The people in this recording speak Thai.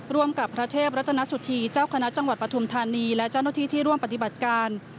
ร่วมกับพระเทพรัตนสุธีเจ้าคณะจังหวัดปฐุมธานีและเจ้าหน้าที่ที่ร่วมปฏิบัติการ